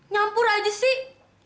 nyampur aja sih